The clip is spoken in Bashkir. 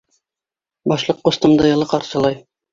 Башлыҡ ҡустымды йылы ҡаршылай.